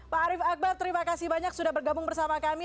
pak arief akbar terima kasih banyak sudah bergabung bersama kami